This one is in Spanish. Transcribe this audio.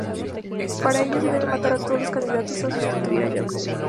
Para ello debe matar a todos los "candidatos" a sustituir a Jacob.